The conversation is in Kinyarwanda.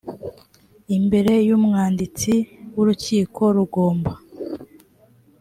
imbere y umwanditsi w urukiko rugomba